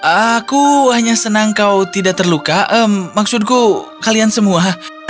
aku hanya senang kau tidak terluka maksudku kalian semua